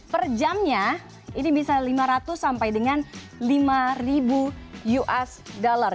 per jamnya ini bisa lima ratus sampai dengan lima ribu usd